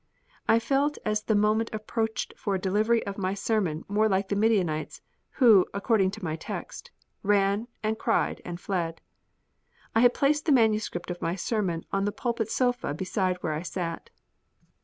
I felt as the moment approached for delivering my sermon more like the Midianites, who, according to my text, "ran, and cried, and fled." I had placed the manuscript of my sermon on the pulpit sofa beside where I sat.